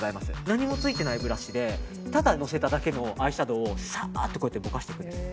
何もついてないブラシでただのせただけのアイシャドーをサッとぼかしていくんです。